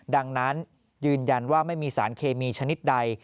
ดังนั้นยืนยันว่าไม่มีสารเคมีชนิดใด